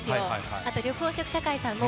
あと、緑黄色社会さんも。